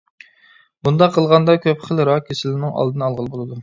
بۇنداق قىلغاندا كۆپ خىل راك كېسىلىنىڭ ئالدىنى ئالغىلى بولىدۇ.